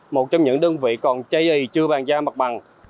một trong những đơn vị còn trê dày chưa bàn giao mặt bằng